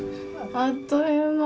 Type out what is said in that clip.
あっという間。